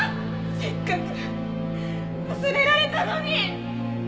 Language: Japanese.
せっかく忘れられたのに！